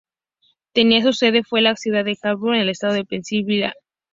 Tenía su sede fue la ciudad de Allentown, en el estado de Pensilvania.